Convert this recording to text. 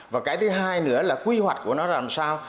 và cái thứ hai nữa là quy hoạch của nó làm sao